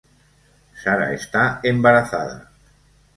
Sara está embarazada.